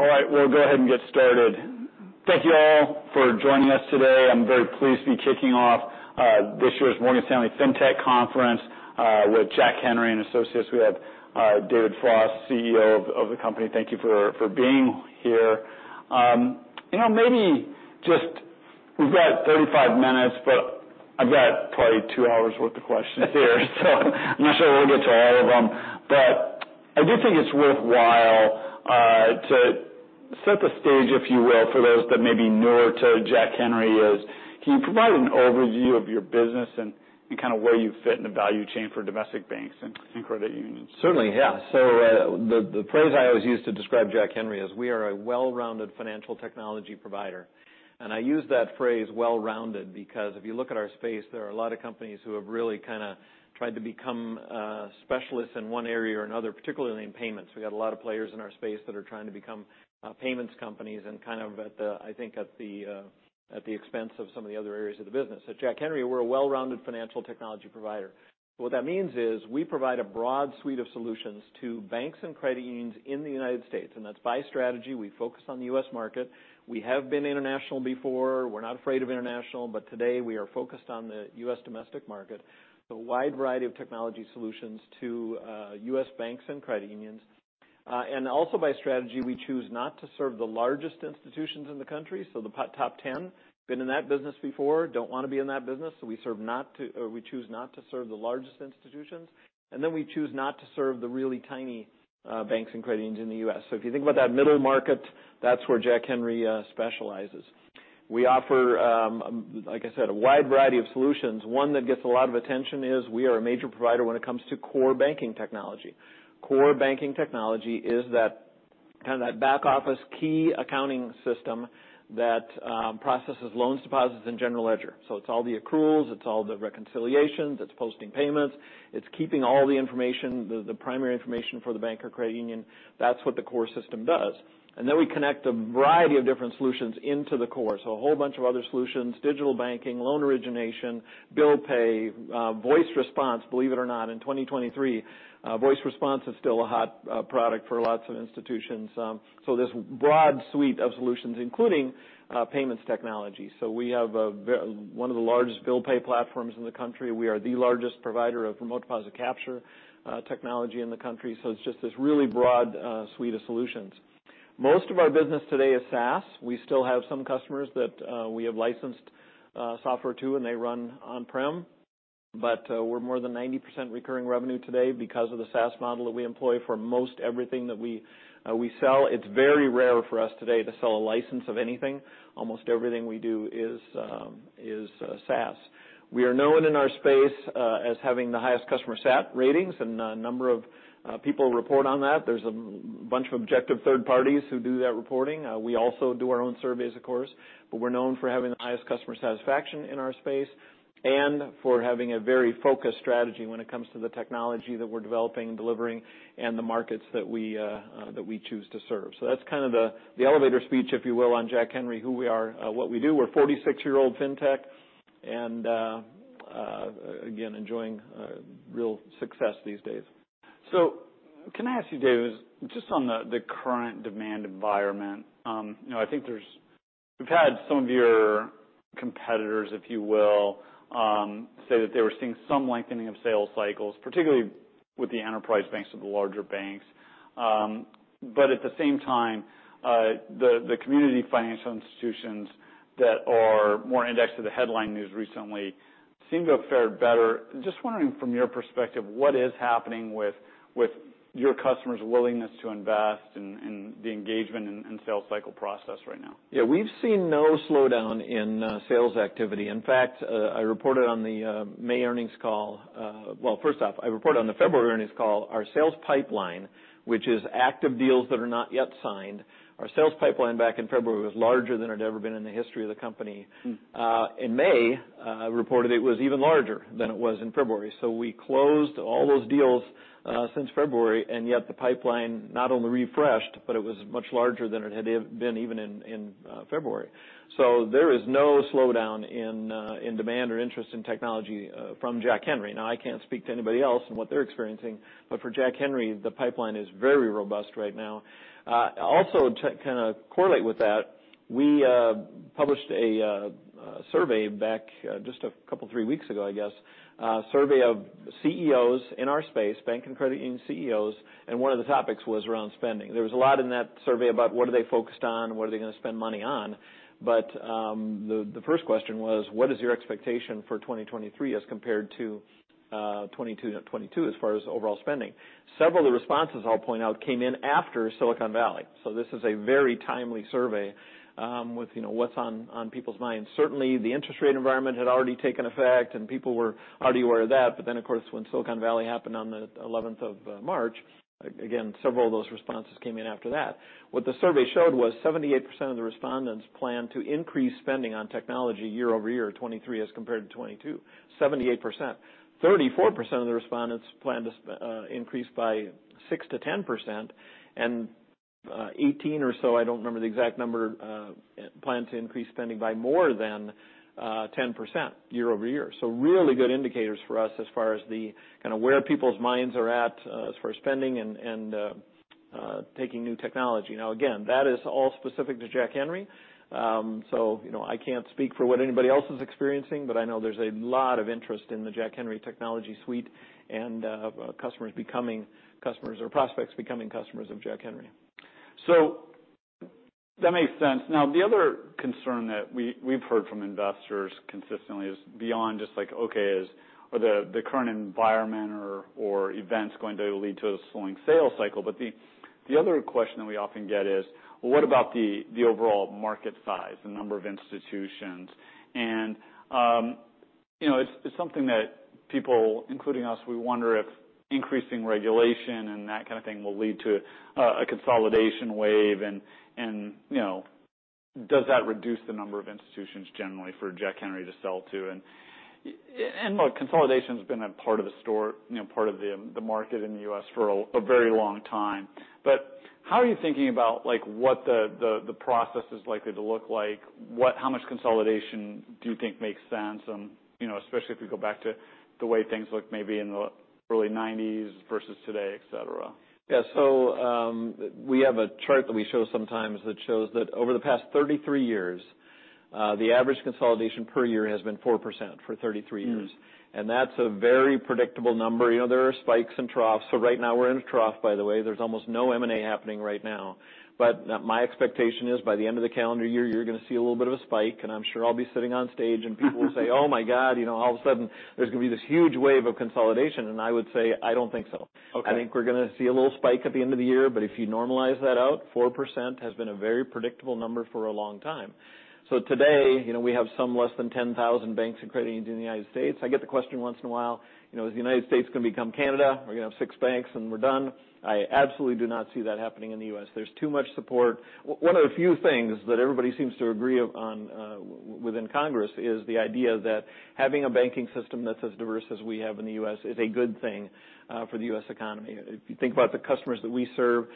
All right we'll go ahead and get started. Thank you all for joining us today. I'm very pleased to be kicking off this year's Morgan Stanley FinTech Conference with Jack Henry & Associates. We have David Foss, CEO of the company. Thank you for being here. You know maybe just we've got 35 minutes but I've got probably two hours worth of questions her so I'm not sure we'll get to all of them. But I do think it's worthwhile to set the stage if you will for those that may be newer to Jack Henry, is can you provide an overview of your business and kind of where you fit in the value chain for domestic banks and credit unions? Certainly yeah. The phrase I always use to describe Jack Henry is, we are a well-rounded financial technology provider. I use that phrase well-rounded because if you look at our space there are a lot of companies who have really kind of tried to become specialists in one area or another, particularly in payments. We've got a lot of players in our space that are trying to become payments companies and kind of at the I think, at the expense of some of the other areas of the business. At Jack Henry, we're a well-rounded financial technology provider. What that means is we provide a broad suite of solutions to banks and credit unions in the United States, and that's by strategy. We focus on the U.S. market. We have been international before. We're not afraid of international. Today we are focused on the U.S. domestic market. A wide variety of technology solutions to U.S. banks and credit unions. Also by strategy we choose not to serve the largest institutions in the country so the top 10. Been in that business before don't want to be in that business so we choose not to serve the largest institutions and then we choose not to serve the really tiny banks and credit unions in the U.S. If you think about that middle market, that's where Jack Henry specializes. We offer like I said a wide variety of solutions. One that gets a lot of attention is we are a major provider when it comes to core banking technology. Core banking technology is that kind of that back office key accounting system that processes loans deposits, and general ledger. It's all the accruals, it's all the reconciliations, it's posting payments, it's keeping all the information, the primary information for the bank or credit union. That's what the core system does. We connect a variety of different solutions into the core. A whole bunch of other solutions: digital banking, loan origination, bill pay, voice response. Believe it or not in 2023 voice response is still a hot product for lots of institutions. This broad suite of solutions, including payments technology. We have one of the largest bill pay platforms in the country. We are the largest provider of remote deposit capture technology in the country. It's just this really broad suite of solutions. Most of our business today is SaaS. We still have some customers that we have licensed software to and they run on-prem but we're more than 90% recurring revenue today because of the SaaS model that we employ for most everything that we sell. It's very rare for us today to sell a license of anything. Almost everything we do is SaaS. We are known in our space as having the highest customer sat ratings, and a number of people report on that. There's a bunch of objective third parties who do that reporting. We also do our own surveys, of course, but we're known for having the highest customer satisfaction in our space and for having a very focused strategy when it comes to the technology that we're developing and delivering and the markets that we that we choose to serve. That's kind of the elevator speech if you will on Jack Henry who we are what we do. We're a 46-year-old fintech and again enjoying real success these days. Can I ask you David just on the current demand environment? You know we've had some of your competitors if you will say that they were seeing some lengthening of sales cycles particularly with the enterprise banks or the larger banks. At the same time the community financial institutions that are more indexed to the headline news recently seem to have fared better. Just wondering, from your perspective what is happening with your customers' willingness to invest and the engagement in sales cycle process right now? We've seen no slowdown in sales activity. In fact I reported on the May earnings call. Well first off I reported on the February earnings call, our sales pipeline which is active deals that are not yet signed our sales pipeline back in February was larger than it had ever been in the history of the company. Mm. In May, I reported it was even larger than it was in February. We closed all those deals since February, and yet the pipeline not only refreshed but it was much larger than it had been even in February. There is no slowdown in demand or interest in technology from Jack Henry. Now, I can't speak to anybody else and what they're experiencing, but for Jack Henry, the pipeline is very robust right now. Also to kind of correlate with that we published a survey back just a couple three weeks ago, I guess a survey of CEOs in our space bank and credit union CEOs and one of the topics was around spending. There was a lot in that survey about what are they focused on what are they going to spend money on. The first question was: What is your expectation for 2023 as compared to 2022, as far as overall spending? Several of the responses I'll point out came in after Silicon Valley, so this is a very timely survey, with you know what's on people's minds. Certainly the interest rate environment had already taken effect, and people were already aware of that. Of course when Silicon Valley happened on the March 11th, again several of those responses came in after that. What the survey showed was 78% of the respondents planned to increase spending on technology year-over-year, 2023 as compared to 2022, 78%. 34% of the respondents planned to increase by 6%-10% and 18% or so I don't remember the exact number planned to increase spending by more than 10% year-over-year. Really good indicators for us as far as the kind of where people's minds are at as far as spending and taking new technology. Again that is all specific to Jack Henry. So you know I can't speak for what anybody else is experiencing but I know there's a lot of interest in the Jack Henry technology suite and of customers becoming customers or prospects becoming customers of Jack Henry. That makes sense. Now the other concern that we've heard from investors consistently is beyond just like okay are the current environment or events going to lead to a slowing sales cycle? The other question that we often get is, what about the overall market size, the number of institutions? And you know it's something that people including u we wonder if increasing regulation and that kind of thing will lead to a consolidation wave. And and look consolidation's been a part of the store you know part of the market in the U.S. for a very long time. How are you thinking about like what the process is likely to look like? How much consolidation do you think makes sense you know especially if we go back to the way things looked maybe in the early 1990s versus today et cetera? Yeah. We have a chart that we show sometimes that shows that over the past 33 years, the average consolidation per year has been 4% for 33 years. Mm-hmm. That's a very predictable number. You know there are spikes and troughs. Right now we're in a trough, by the way. There's almost no M&A happening right now. My expectation is by the end of the calendar year you're gonna see a little bit of a spike, and I'm sure I'll be sitting on stage and people will say, "Oh, my God, you know, all of a sudden there's gonna be this huge wave of consolidation." I would say, I don't think so. Okay. I think we're gonna see a little spike at the end of the year but if you normalize that out 4% has been a very predictable number for a long time. Today, you know we have some less than 10,000 banks and credit unions in the United States. I get the question once in a while, you know: Is the United States gonna become Canada? We're gonna have six banks and we're done. I absolutely do not see that happening in the U.S. There's too much support. One of the few things that everybody seems to agree on within Congress is the idea that having a banking system that's as diverse as we have in the U.S. is a good thing for the U.S. economy. If you think about the customers that we serve,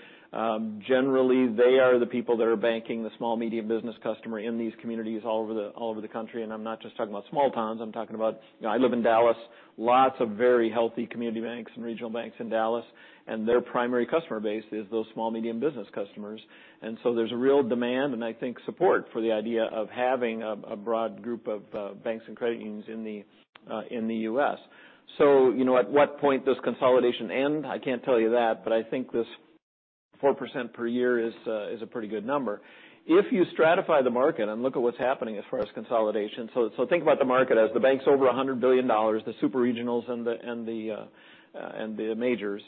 generally, they are the people that are banking the small, medium business customer in these communities all over the country. I'm not just talking about small towns, I'm talking about. You know, I live in Dallas lots of very healthy community banks and regional banks in Dallas and their primary customer base is those small, medium business customers. There's a real demand, and I think support for the idea of having a broad group of banks and credit unions in the U.S. You know at what point does consolidation end? I can't tell you that, but I think this 4% per year is a pretty good number. If you stratify the market and look at what's happening as far as consolidation, so think about the market as the banks over $100 billion, the super regionals, and the, and the majors.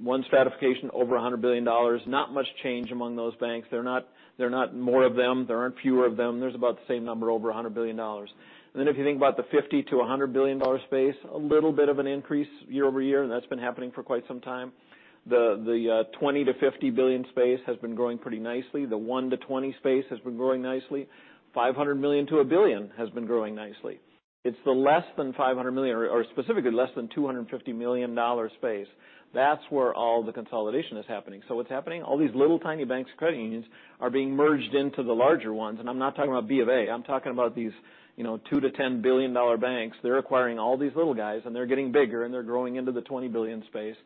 One stratification, over $100 billion, not much change among those banks. There are not more of them, there aren't fewer of them. There's about the same number, over $100 billion. Then, if you think about the $50 billion-$100 billion space, a little bit of an increase year-over-year, and that's been happening for quite some time. The, the $20 billion-$50 billion space has been growing pretty nicely. The $1 billion-$20 billion space has been growing nicely. $500 million-$1 billion has been growing nicely. It's the less than $500 million, or specifically less than $250 million space, that's where all the consolidation is happening. What's happening? All these little, tiny banks, credit unions, are being merged into the larger ones. I'm not talking about BofA, I'm talking about these, you know, $2 billion-$10 billion banks. They're acquiring all these little guys, and they're getting bigger, and they're growing into the $20 billion space.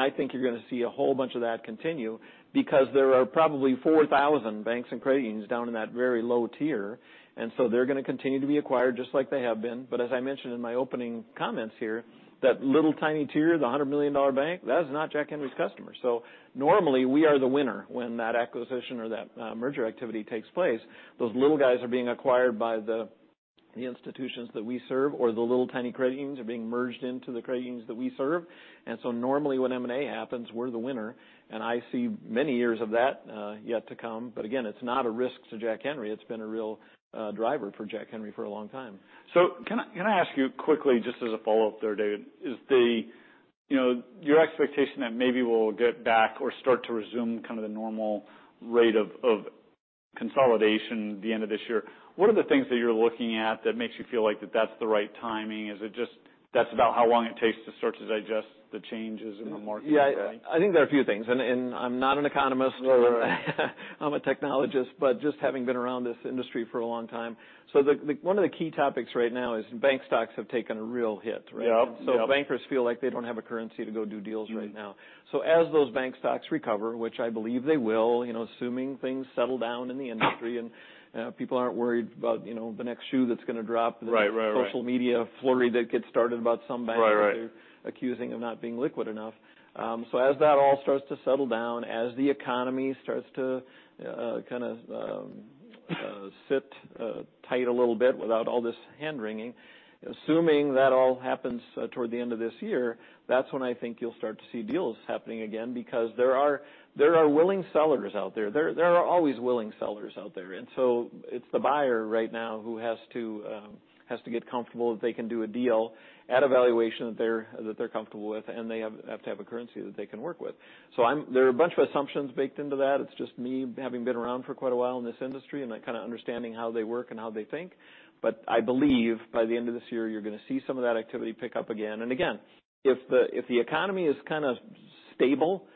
I think you're gonna see a whole bunch of that continue because there are probably 4,000 banks and credit unions down in that very low tier, they're gonna continue to be acquired just like they have been. As I mentioned in my opening comments here, that little, tiny tier, the $100 million bank, that is not Jack Henry's customer. Normally, we are the winner when that acquisition or that merger activity takes place. Those little guys are being acquired by the institutions that we serve, or the little, tiny credit unions are being merged into the credit unions that we serve. Normally, when M&A happens, we're the winner, and I see many years of that yet to come. Again, it's not a risk to Jack Henry. It's been a real driver for Jack Henry for a long time. Can I ask you quickly, just as a follow-up there, David, is the, you know, your expectation that maybe we'll get back or start to resume kind of the normal rate of consolidation at the end of this year, what are the things that you're looking at that makes you feel like that's the right timing? Is it just that's about how long it takes to start to digest the changes in the market? Yeah. I think there are a few things, and I'm not an economist. Right, right. I'm a technologist, but just having been around this industry for a long time. One of the key topics right now is bank stocks have taken a real hit, right? Yep, yep. Bankers feel like they don't have a currency to go do deals right now. Mm-hmm. As those bank stocks recover, which I believe they will, you know, assuming things settle down in the industry, and people aren't worried about, you know, the next shoe that's gonna drop. Right, right. The social media flurry that gets started about some bank. Right, right. Accusing of not being liquid enough. As that all starts to settle down, as the economy starts to kind of sit tight a little bit without all this hand-wringing, assuming that all happens toward the end of this year, that's when I think you'll start to see deals happening again because there are willing sellers out there. There are always willing sellers out there. It's the buyer right now who has to get comfortable that they can do a deal at a valuation that they're comfortable with, and they have to have a currency that they can work with. There are a bunch of assumptions baked into that. It's just me having been around for quite a while in this industry, and I kind of understanding how they work and how they think. I believe by the end of this year, you're gonna see some of that activity pick up again. Again, if the economy is kind of stable,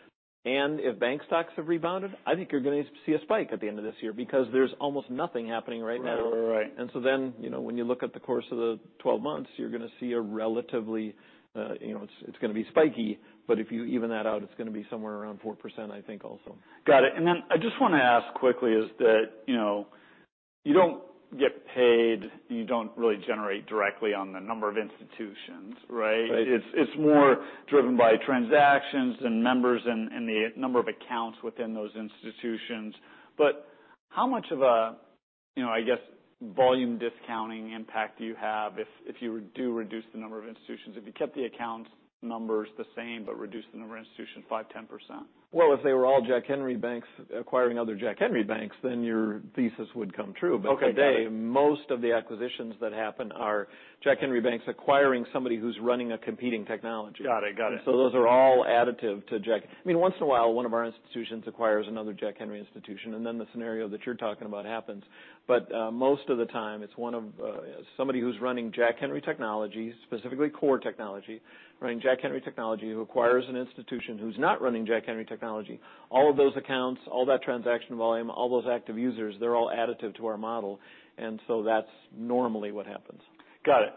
and if bank stocks have rebounded, I think you're gonna see a spike at the end of this year because there's almost nothing happening right now. Right, right. You know, when you look at the course of the 12 months, you're gonna see a relatively, you know, it's gonna be spiky, but if you even that out, it's gonna be somewhere around 4%, I think, also. Got it. I just wanna ask quickly is that, you know you don't get paid, and you don't really generate directly on the number of institutions, right? Right. It's more driven by transactions and members and the number of accounts within those institutions. How much of a, you know, I guess, volume discounting impact do you have if you do reduce the number of institutions? If you kept the account numbers the same, but reduced the number of institutions 5%-10%? Well, if they were all Jack Henry banks acquiring other Jack Henry banks, then your thesis would come true. Okay. Today, most of the acquisitions that happen are Jack Henry banks acquiring somebody who's running a competing technology. Got it. Got it. Those are all additive to Jack. I mean, once in a while, one of our institutions acquires another Jack Henry institution, and then the scenario that you're talking about happens. most of the time, it's one of somebody who's running Jack Henry technology, specifically core technology, running Jack Henry technology, who acquires an institution who's not running Jack Henry technology. All of those accounts, all that transaction volume, all those active users, they're all additive to our model, that's normally what happens. Got it.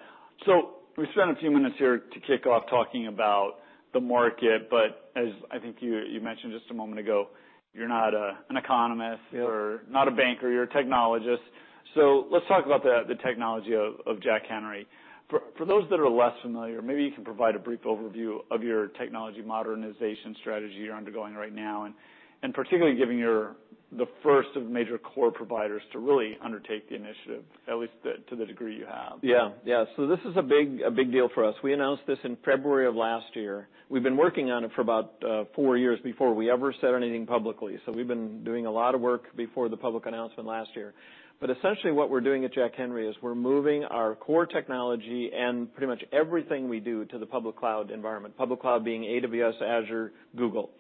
We spent a few minutes here to kick off talking about the market, but as I think you mentioned just a moment ago, you're not an economist. Yeah You're not a banker, you're a technologist. Let's talk about the technology of Jack Henry. For those that are less familiar, maybe you can provide a brief overview of your technology modernization strategy you're undergoing right now, and particularly giving you're the first of major core providers to really undertake the initiative, at least to the degree you have. Yeah. Yeah. This is a big deal for us. We announced this in February of last year. We've been working on it for about four years before we ever said anything publicly. We've been doing a lot of work before the public announcement last year. Essentially, what we're doing at Jack Henry is we're moving our core technology and pretty much everything we do to the public cloud environment, public cloud being AWS, Azure, Google.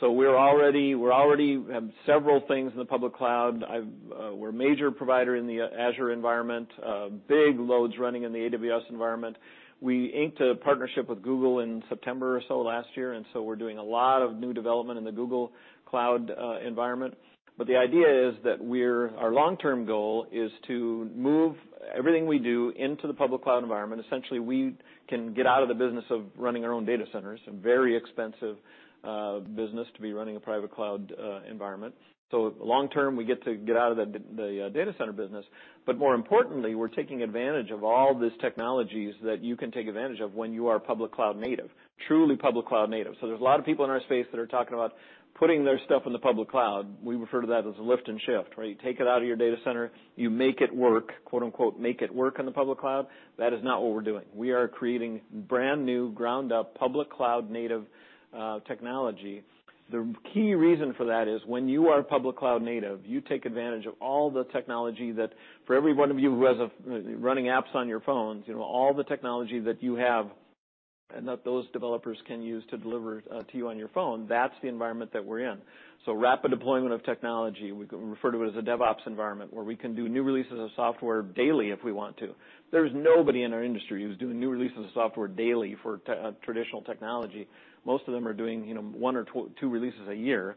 We're already have several things in the public cloud. We're a major provider in the Azure environment, big loads running in the AWS environment. We inked a partnership with Google in September or so last year. We're doing a lot of new development in the Google Cloud environment. The idea is that our long-term goal is to move everything we do into the public cloud environment. Essentially, we can get out of the business of running our own data centers, a very expensive business to be running a private cloud environment. Long term, we get to get out of the data center business. More importantly, we're taking advantage of all these technologies that you can take advantage of when you are public cloud native, truly public cloud native. There's a lot of people in our space that are talking about putting their stuff in the public cloud. We refer to that as a lift and shift, where you take it out of your data center, you make it work, quote, unquote, "make it work" in the public cloud. That is not what we're doing. We are creating brand-new, ground-up, public cloud native technology. The key reason for that is when you are public cloud native, you take advantage of all the technology that for every one of you who has running apps on your phones, you know, all the technology that you have and that those developers can use to deliver to you on your phone, that's the environment that we're in. Rapid deployment of technology, we refer to it as a DevOps environment, where we can do new releases of software daily if we want to. There's nobody in our industry who's doing new releases of software daily for traditional technology. Most of them are doing, you know, one or two releases a year.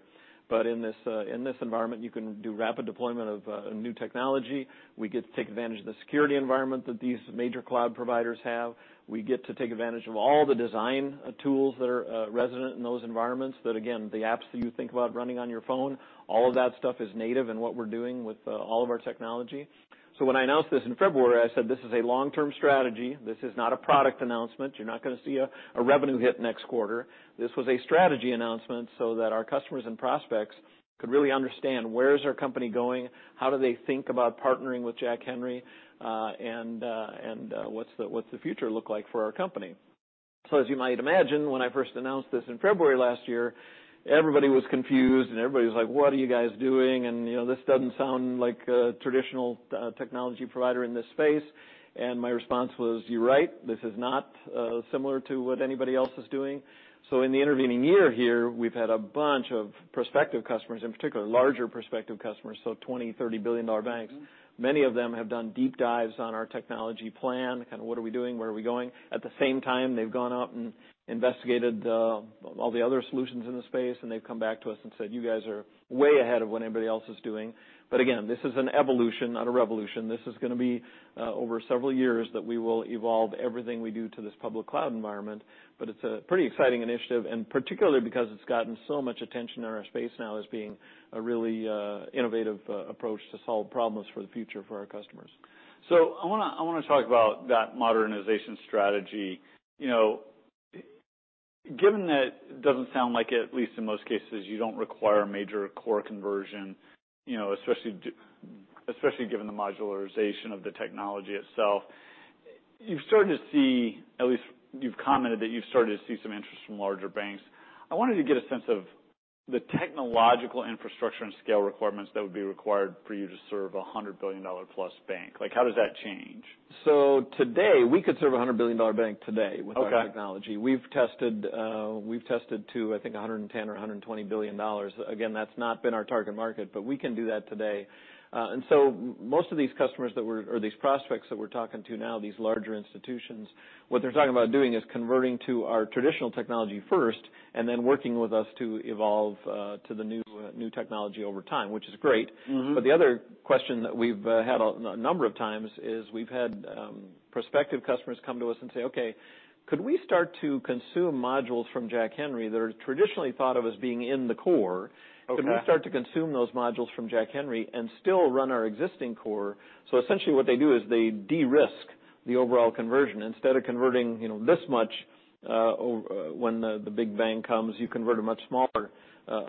In this environment, you can do rapid deployment of new technology. We get to take advantage of the security environment that these major cloud providers have. We get to take advantage of all the design tools that are resident in those environments, that again, the apps that you think about running on your phone, all of that stuff is native in what we're doing with all of our technology. When I announced this in February, I said, "This is a long-term strategy. This is not a product announcement. You're not going to see a revenue hit next quarter." This was a strategy announcement so that our customers and prospects could really understand where is our company going, how do they think about partnering with Jack Henry, and what's the future look like for our company? As you might imagine, when I first announced this in February last year, everybody was confused, and everybody was like, What are you guys doing? You know, this doesn't sound like a traditional technology provider in this space. My response was, "You're right. This is not similar to what anybody else is doing." In the intervening year here, we've had a bunch of prospective customers, in particular, larger prospective customers, so $20 billion-$30 billion banks. Many of them have done deep dives on our technology plan, and what are we doing, where are we going? At the same time, they've gone out and investigated all the other solutions in the space, and they've come back to us and said, "You guys are way ahead of what anybody else is doing." Again, this is an evolution, not a revolution. This is gonna be over several years, that we will evolve everything we do to this public cloud environment. It's a pretty exciting initiative, and particularly because it's gotten so much attention in our space now as being a really innovative approach to solve problems for the future for our customers. I wanna talk about that modernization strategy. You know, given that it doesn't sound like it, at least in most cases, you don't require a major core conversion, you know, especially given the modularization of the technology itself. You've started to see, at least you've commented that you've started to see some interest from larger banks. I wanted to get a sense of the technological infrastructure and scale requirements that would be required for you to serve a $100 billion plus bank. Like, how does that change? Today, we could serve a $100 billion bank today. Okay. With our technology. We've tested to, I think, $110 billion or $120 billion. Again, that's not been our target market, but we can do that today. Most of these customers or these prospects that we're talking to now, these larger institutions, what they're talking about doing is converting to our traditional technology first, and then working with us to evolve to the new technology over time, which is great. Mm-hmm. The other question that we've had a number of times is, we've had prospective customers come to us and say, okay, could we start to consume modules from Jack Henry that are traditionally thought of as being in the core? Okay. Could we start to consume those modules from Jack Henry and still run our existing core? Essentially, what they do is they de-risk the overall conversion. Instead of converting, you know, this much, when the big bang comes, you convert a much smaller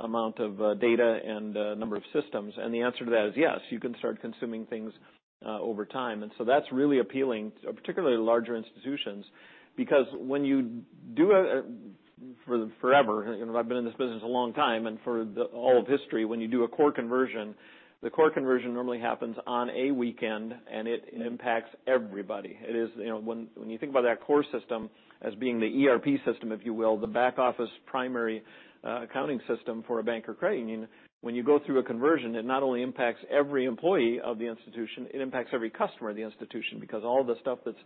amount of data and number of systems. The answer to that is, yes, you can start consuming things over time. That's really appealing, particularly to larger institutions, because when you do forever, and I've been in this business a long time, and for all of history, when you do a core conversion, the core conversion normally happens on a weekend, and it impacts everybody. It is, you know, when you think about that core system as being the ERP system, if you will, the back office primary accounting system for a bank or credit union, when you go through a conversion, it not only impacts every employee of the institution, it impacts every customer of the institution, because all the stuff that's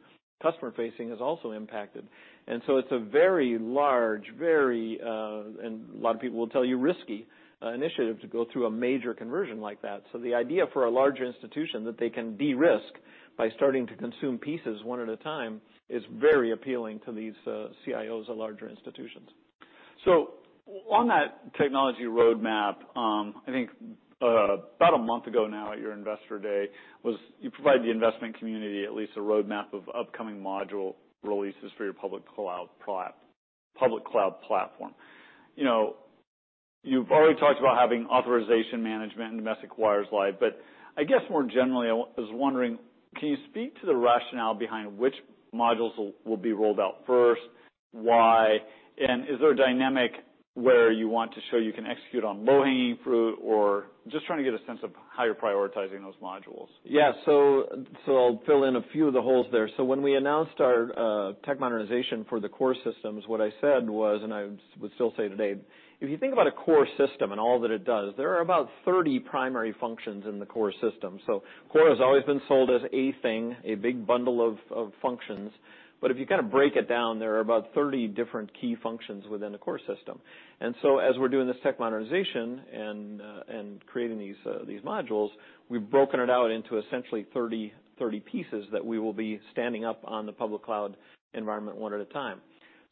customer facing is also impacted. It's a very large, very, and a lot of people will tell you, risky, initiative to go through a major conversion like that. The idea for a larger institution, that they can de-risk by starting to consume pieces one at a time, is very appealing to these CIOs of larger institutions. On that technology roadmap, I think, about a month ago now, at your Investor Day, you provided the investment community at least a roadmap of upcoming module releases for your public cloud platform. You know, you've already talked about having authorization management and domestic wires live, but I guess, more generally, I was wondering, can you speak to the rationale behind which modules will be rolled out first, why, and is there a dynamic where you want to show you can execute on low-hanging fruit, or just trying to get a sense of how you're prioritizing those modules? I'll fill in a few of the holes there. When we announced our tech modernization for the core systems, what I said was, and I would still say today, if you think about a core system and all that it does, there are about 30 primary functions in the core system. Core has always been sold as a thing, a big bundle of functions. If you kind of break it down, there are about 30 different key functions within a core system. As we're doing this tech modernization and creating these modules, we've broken it out into essentially 30 pieces that we will be standing up on the public cloud environment one at a time.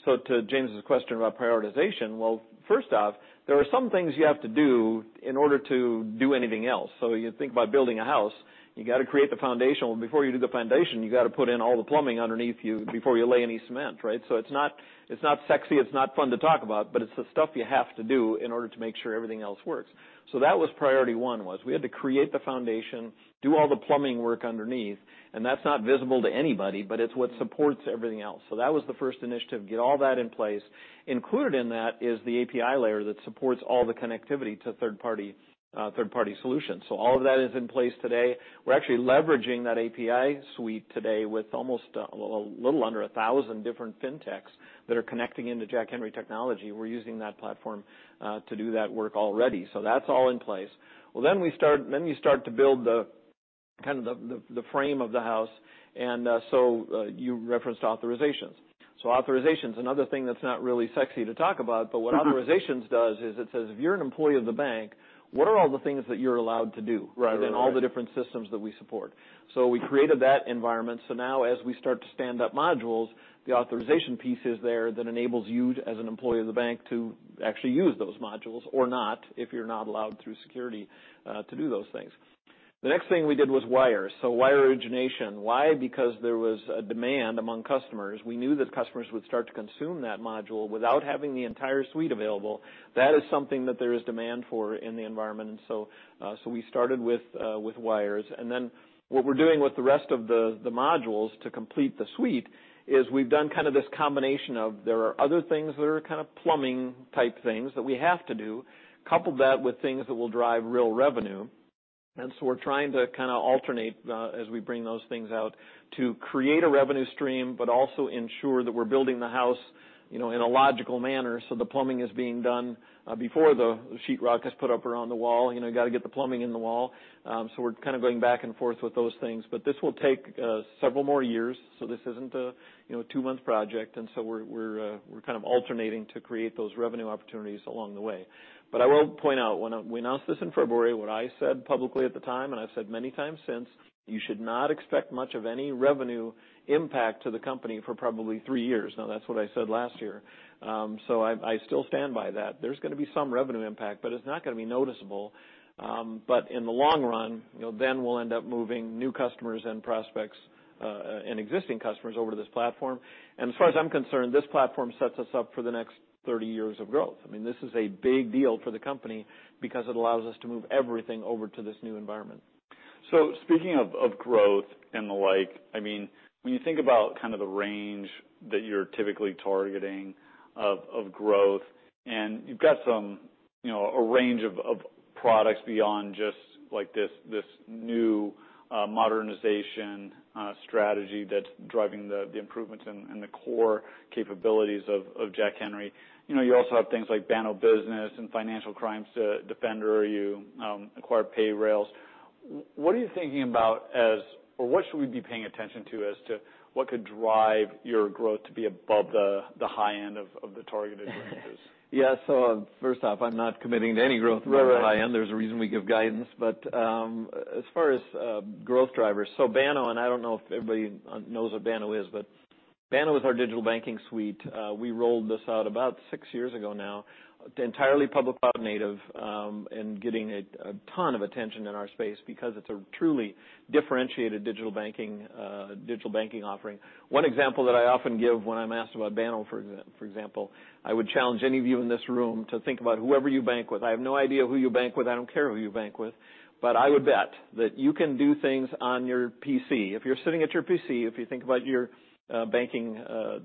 To James' question about prioritization, well, first off, there are some things you have to do in order to do anything else. You think about building a house, you got to create the foundation. Well, before you do the foundation, you got to put in all the plumbing underneath you before you lay any cement, right? It's not sexy, it's not fun to talk about, but it's the stuff you have to do in order to make sure everything else works. That was priority one, was we had to create the foundation, do all the plumbing work underneath, and that's not visible to anybody, but it's what supports everything else. That was the first initiative, get all that in place. Included in that is the API layer that supports all the connectivity to third party, third-party solutions. All of that is in place today. We're actually leveraging that API suite today with almost a little under 1,000 different Fintechs that are connecting into Jack Henry technology. We're using that platform to do that work already. That's all in place. Then you start to build the, kind of the frame of the house, and you referenced authorizations. Authorizations, another thing that's not really sexy to talk about, but what authorizations does is it says, if you're an employee of the bank, what are all the things that you're allowed to do? Right. Within all the different systems that we support. We created that environment. Now as we start to stand up modules, the authorization piece is there that enables you, as an employee of the bank, to actually use those modules, or not, if you're not allowed through security to do those things. The next thing we did was wires, so wire origination. Why? Because there was a demand among customers. We knew that customers would start to consume that module without having the entire suite available. That is something that there is demand for in the environment. We started with wires. What we're doing with the rest of the modules to complete the suite is we've done kind of this combination of there are other things that are kind of plumbing type things that we have to do, couple that with things that will drive real revenue. We're trying to kind of alternate, as we bring those things out, to create a revenue stream, but also ensure that we're building the house, you know, in a logical manner. The plumbing is being done, before the sheetrock is put up around the wall. You know, you got to get the plumbing in the wall. We're kind of going back and forth with those things. This will take several more years, so this isn't a, you know, two-month project, and so we're kind of alternating to create those revenue opportunities along the way. I will point out, when we announced this in February, what I said publicly at the time, and I've said many times since, "You should not expect much of any revenue impact to the company for probably three years." Now, that's what I said last year. I still stand by that. There's going to be some revenue impact, but it's not going to be noticeable. In the long run, you know, then we'll end up moving new customers and prospects and existing customers over to this platform. As far as I'm concerned, this platform sets us up for the next 30 years of growth. I mean, this is a big deal for the company because it allows us to move everything over to this new environment. Speaking of growth and the like, I mean, when you think about kind of the range that you're typically targeting of growth, and you've got some, you know, a range of products beyond just, like, this new modernization strategy that's driving the improvements and the core capabilities of Jack Henry. You know, you also have things like Banno Business and Financial Crimes Defender, you acquired Payrailz. What are you thinking about, or what should we be paying attention to as to what could drive your growth to be above the high end of the targeted ranges? Yeah. first off, I'm not committing to any growth on the high end. Right. There's a reason we give guidance. As far as growth drivers, Banno, and I don't know if everybody knows what Banno is, Banno is our digital banking suite. We rolled this out about six years ago now, entirely public cloud native, and getting a ton of attention in our space because it's a truly differentiated digital banking offering. One example that I often give when I'm asked about Banno, for example, I would challenge any of you in this room to think about whoever you bank with. I have no idea who you bank with, I don't care who you bank with, but I would bet that you can do things on your PC. If you're sitting at your PC, if you think about your banking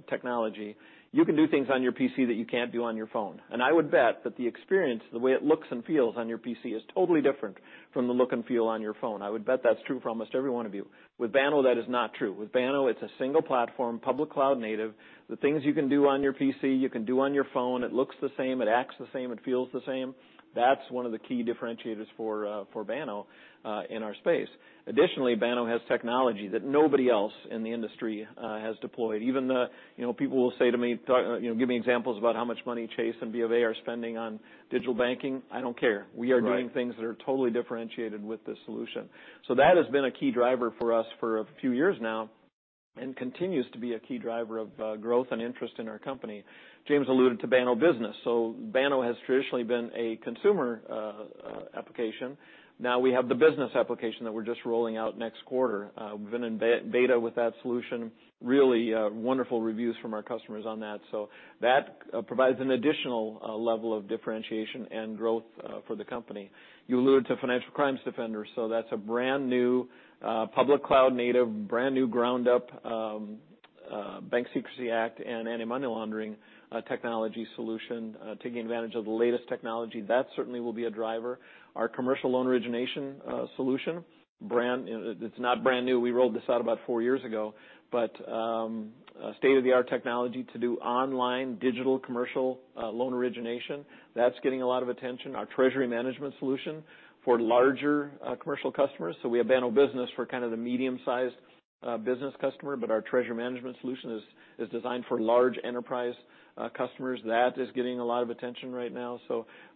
technology, you can do things on your PC that you can't do on your phone. I would bet that the experience, the way it looks and feels on your PC, is totally different from the look and feel on your phone. I would bet that's true for almost every one of you. With Banno, that is not true. With Banno, it's a single platform, public cloud native. The things you can do on your PC, you can do on your phone. It looks the same, it acts the same, it feels the same. That's one of the key differentiators for Banno in our space. Additionally, Banno has technology that nobody else in the industry has deployed. Even the, you know, people will say to me, you know, give me examples about how much money Chase and BofA are spending on digital banking. I don't care. Right. We are doing things that are totally differentiated with this solution. That has been a key driver for us for a few years now, and continues to be a key driver of growth and interest in our company. James alluded to Banno Business. Banno has traditionally been a consumer application. Now, we have the business application that we're just rolling out next quarter. We've been in beta with that solution, really wonderful reviews from our customers on that. That provides an additional level of differentiation and growth for the company. You alluded to Financial Crimes Defender, so that's a brand-new public cloud native, brand-new ground up Bank Secrecy Act and Anti-Money Laundering technology solution taking advantage of the latest technology. That certainly will be a driver. Our commercial loan origination solution. It's not brand new. We rolled this out about four years ago, but a state-of-the-art technology to do online digital commercial loan origination, that's getting a lot of attention. Our treasury management solution for larger commercial customers, we have Banno Business for kind of the medium-sized business customer, but our treasury management solution is designed for large enterprise customers. That is getting a lot of attention right now.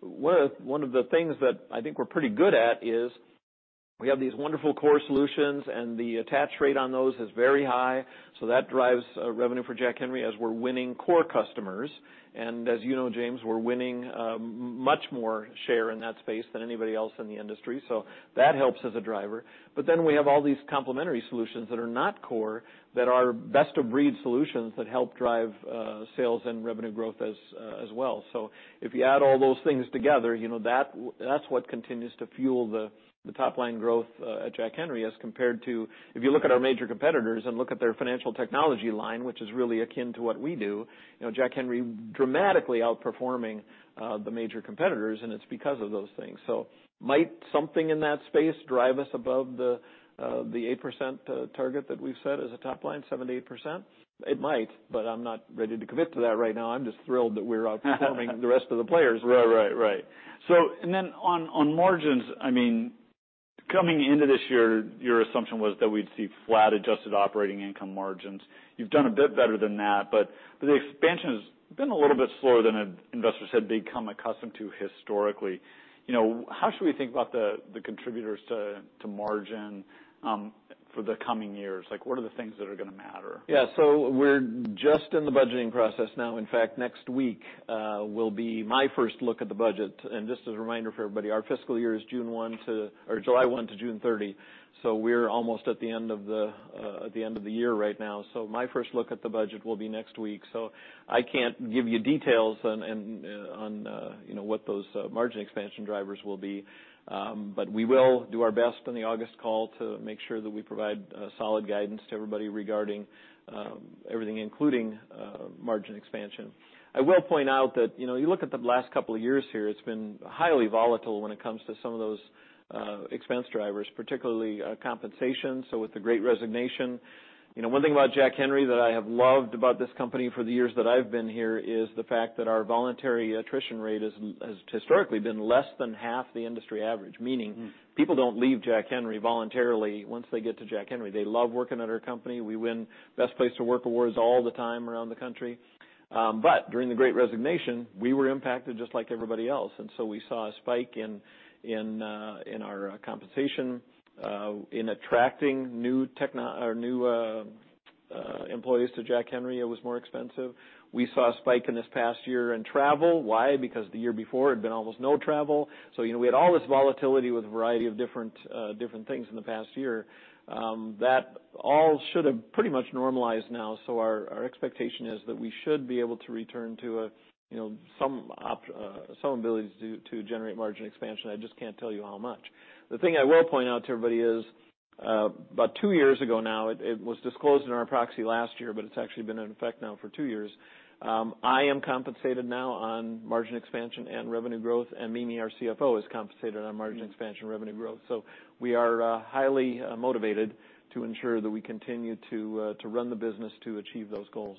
One of the things that I think we're pretty good at is we have these wonderful core solutions, and the attach rate on those is very high, so that drives revenue for Jack Henry as we're winning core customers. As you know, James, we're winning much more share in that space than anybody else in the industry, so that helps as a driver. We have all these complementary solutions that are not core, that are best-of-breed solutions that help drive sales and revenue growth as well. If you add all those things together, you know, that's what continues to fuel the top line growth at Jack Henry, as compared to if you look at our major competitors and look at their financial technology line, which is really akin to what we do, you know, Jack Henry dramatically outperforming the major competitors, and it's because of those things. Might something in that space drive us above the 8% target that we've set as a top line, 7%-8%? It might, but I'm not ready to commit to that right now. I'm just thrilled that we're outperforming the rest of the players. Right. On margins, I mean, coming into this year, your assumption was that we'd see flat adjusted operating income margins. You've done a bit better than that, but the expansion has been a little bit slower than investors had become accustomed to historically. You know, how should we think about the contributors to margin for the coming years? Like, what are the things that are gonna matter? Yeah, we're just in the budgeting process now. In fact, next week will be my first look at the budget. Just as a reminder for everybody, our fiscal year is July 1-June 30, so we're almost at the end of the at the end of the year right now. My first look at the budget will be next week, so I can't give you details on, you know, what those margin expansion drivers will be. We will do our best on the August call to make sure that we provide solid guidance to everybody regarding everything, including margin expansion. I will point out that, you know, you look at the last couple of years here, it's been highly volatile when it comes to some of those expense drivers, particularly compensation. With the Great Resignation. You know, one thing about Jack Henry that I have loved about this company for the years that I've been here, is the fact that our voluntary attrition rate has historically been less than half the industry average, meaning people don't leave Jack Henry voluntarily once they get to Jack Henry. They love working at our company. We win Best Place to Work awards all the time around the country. During the Great Resignation, we were impacted just like everybody else. We saw a spike in our compensation. In attracting new employees to Jack Henry, it was more expensive. We saw a spike in this past year in travel. Why? Because the year before, it had been almost no travel. You know, we had all this volatility with a variety of different things in the past year. That all should have pretty much normalized now, our expectation is that we should be able to return to a, you know, some ability to generate margin expansion. I just can't tell you how much. The thing I will point out to everybody is about two years ago now, it was disclosed in our proxy last year, but it's actually been in effect now for two years, I am compensated now on margin expansion and revenue growth, and Mimi, our CFO, is compensated on margin expansion and revenue growth. We are highly motivated to ensure that we continue to run the business to achieve those goals.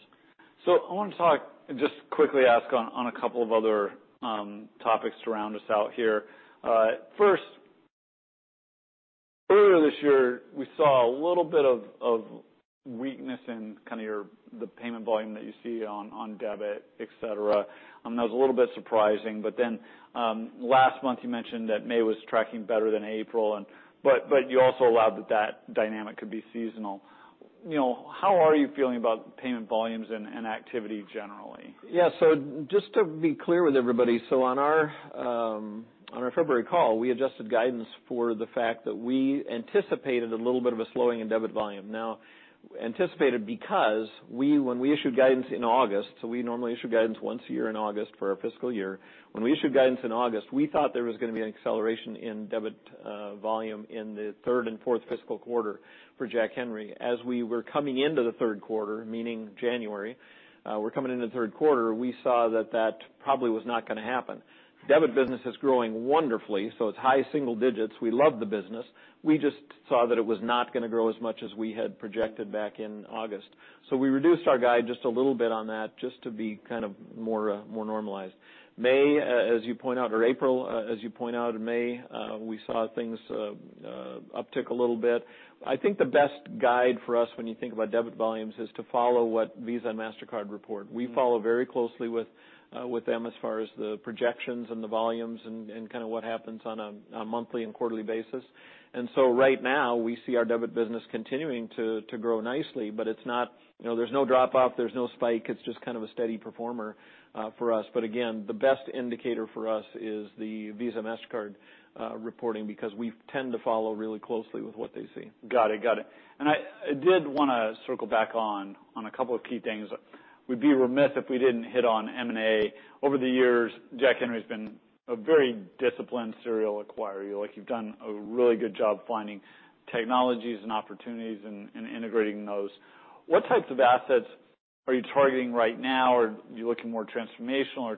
I want to talk, just quickly ask on a couple of other topics to round us out here. First, earlier this year, we saw a little bit of weakness in kind of your, the payment volume that you see on debit, et cetera. That was a little bit surprising, last month, you mentioned that May was tracking better than April, you also allowed that that dynamic could be seasonal. You know, how are you feeling about payment volumes and activity generally? Just to be clear with everybody, on our February call, we adjusted guidance for the fact that we anticipated a little bit of a slowing in debit volume. Anticipated because when we issued guidance in August, we normally issue guidance once a year in August for our fiscal year. When we issued guidance in August, we thought there was going to be an acceleration in debit volume in the third and fourth fiscal quarter for Jack Henry. As we were coming into the Q3, meaning January, we're coming into the Q3, we saw that that probably was not going to happen. Debit business is growing wonderfully. It's high single digits. We love the business. We just saw that it was not going to grow as much as we had projected back in August. We reduced our guide just a little bit on that, just to be kind of more, more normalized. May, as you point out, or April, as you point out, in May, we saw things uptick a little bit. I think the best guide for us when you think about debit volumes, is to follow what Visa and Mastercard report. We follow very closely with them as far as the projections and the volumes and kind of what happens on a, on a monthly and quarterly basis. Right now, we see our debit business continuing to grow nicely, but it's not, you know, there's no drop off, there's no spike, it's just kind of a steady performer for us. Again, the best indicator for us is the Visa, Mastercard reporting, because we tend to follow really closely with what they see. Got it. Got it. I did want to circle back on a couple of key things. We'd be remiss if we didn't hit on M&A. Over the years, Jack Henry has been a very disciplined serial acquirer. You've done a really good job finding technologies and opportunities and integrating those. What types of assets are you targeting right now? Are you looking more transformational or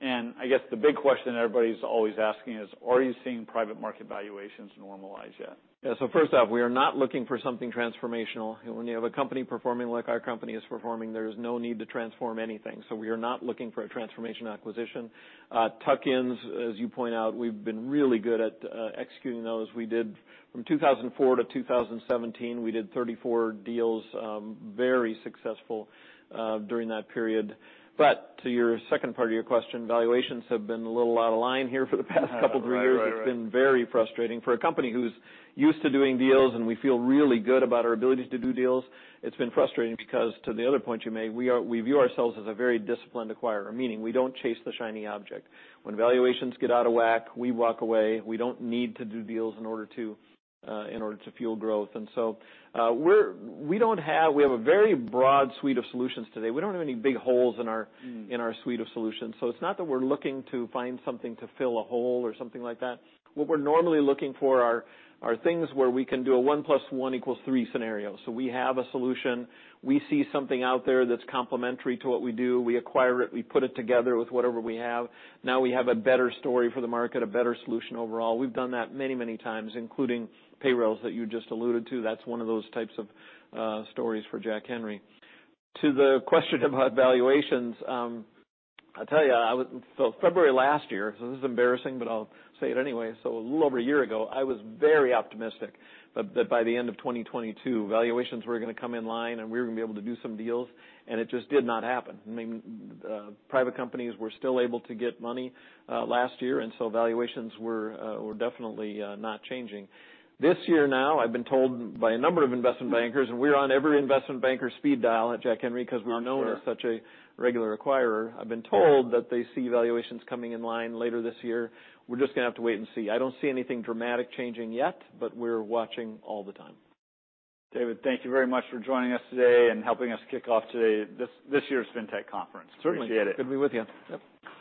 tuck-in? I guess the big question everybody's always asking is, are you seeing private market valuations normalize yet? Yeah. First off, we are not looking for something transformational. When you have a company performing like our company is performing, there is no need to transform anything, so we are not looking for a transformation acquisition. Tuck-ins, as you point out, we've been really good at executing those. We did, from 2004-2017, we did 34 deals, very successful during that period. To your second part of your question, valuations have been a little out of line here for the past couple of years. Right, right. It's been very frustrating. For a company who's used to doing deals, and we feel really good about our ability to do deals, it's been frustrating because, to the other point you made, we view ourselves as a very disciplined acquirer, meaning we don't chase the shiny object. When valuations get out of whack, we walk away. We don't need to do deals in order to in order to fuel growth. We have a very broad suite of solutions today. We don't have any big holes in our- Mm-hmm In our suite of solutions, so it's not that we're looking to find something to fill a hole or something like that. What we're normally looking for are things where we can do a one plus one equals three scenario. We have a solution, we see something out there that's complementary to what we do, we acquire it, we put it together with whatever we have. Now we have a better story for the market, a better solution overall. We've done that many, many times, including Payrailz, that you just alluded to. That's one of those types of stories for Jack Henry. To the question about valuations, I'll tell you, February last year, this is embarrassing, but I'll say it anyway. A little over a year ago, I was very optimistic that by the end of 2022, valuations were going to come in line, and we were going to be able to do some deals, and it just did not happen. I mean, private companies were still able to get money last year, and so valuations were definitely not changing. This year now, I've been told by a number of investment bankers, and we're on every investment banker speed dial at Jack Henry. I'm sure. Because we're known as such a regular acquirer. I've been told that they see valuations coming in line later this year. We're just going to have to wait and see. I don't see anything dramatic changing yet, but we're watching all the time. David, thank you very much for joining us today and helping us kick off today, this year's FinTech Conference. Certainly. Appreciate it. Good to be with you. Yep.